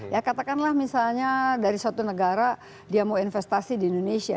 ya katakanlah misalnya dari suatu negara dia mau investasi di indonesia